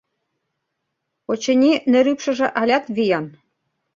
Очыни, нер ӱпшыжӧ алят виян...